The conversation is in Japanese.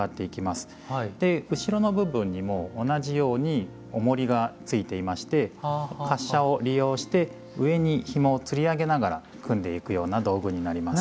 後ろの部分にも同じようにおもりがついていまして滑車を利用して上にひもをつり上げながら組んでいくような道具になります。